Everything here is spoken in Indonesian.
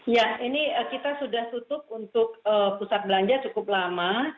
ya ini kita sudah tutup untuk pusat belanja cukup lama